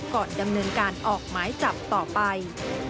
ก่อนดำเนินการออกหมายจับต่อไป